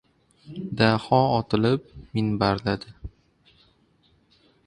Daho otilib minbarladi.